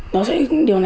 điều này sẽ không đủ